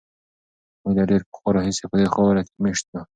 موږ له ډېر پخوا راهیسې په دې خاوره کې مېشت یو.